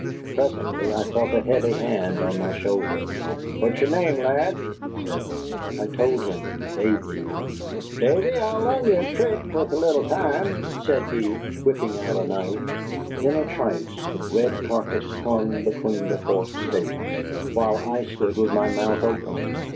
Presently I felt a heavy hand on my shoulder. "What's your name, lad?" he said. I told him Davy. "Davy, I'll larn ye a trick worth a little time," said he, whipping out a knife. In a trice the red carcass hung between the forked stakes, while I stood with my mouth open.